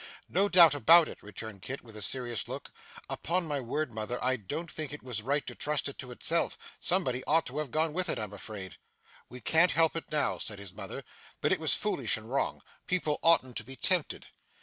'No doubt about it,' returned Kit, with a serious look; 'upon my word, mother, I don't think it was right to trust it to itself. Somebody ought to have gone with it, I'm afraid.' 'We can't help it now,' said his mother; 'but it was foolish and wrong. People oughtn't to be tempted.